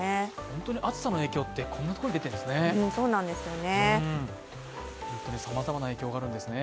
本当に暑さの影響ってこんなところに出ているんですね。